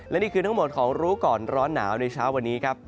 และนี่คือทั้งหมดของรู้ก่อนร้อนหนาวในเช้าวันนี้ครับ